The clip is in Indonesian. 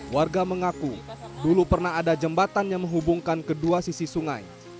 warga mengaku dulu pernah ada jembatan yang menghubungkan kedua sisi sungai